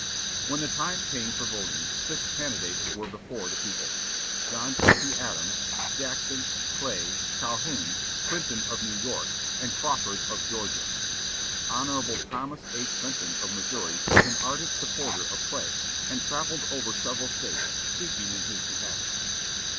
When the time came for voting, six candidates were before the people: John Quincy Adams, Jackson, Clay, Calhoun, Clinton of New York, and Crawford of Georgia. Hon. Thomas H. Benton of Missouri was an ardent supporter of Clay, and travelled over several States speaking in his behalf.